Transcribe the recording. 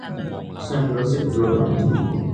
ฉันรู้สึกกลัว